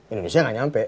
indonesia gak nyampe